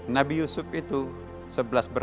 nabi yusuf itu sebelas bersa